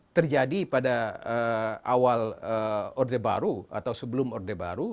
terjadi pada awal orde baru atau sebelum orde baru